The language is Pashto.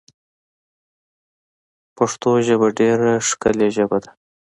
پشتو ژبه ډېره ښکولي ژبه ده